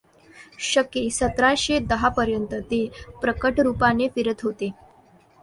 शके सत्राशें दहापर्यंत ते प्रकटरूपानें फिरत होते.